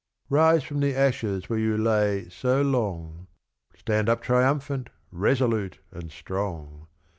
Rise from the ashes where you lay so long, Stand up triumphant, resolute, and strong.